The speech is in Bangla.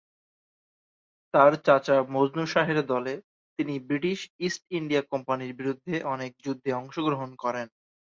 তার চাচা মজনু শাহের দলে তিনি ব্রিটিশ ইস্ট ইন্ডিয়া কোম্পানির বিরুদ্ধে অনেক যুদ্ধে অংশগ্রহণ করেন।